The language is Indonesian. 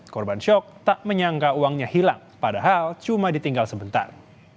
korban shock tak menyangka uangnya hilang padahal cuma ditinggal sebentar